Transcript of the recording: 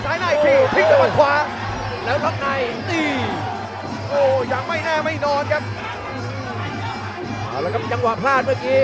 ซ้ายหน้าอีกทีทิ้งด้วยขวา